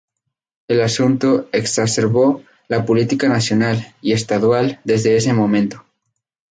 El asunto exacerbó la política nacional y estadual desde ese momento.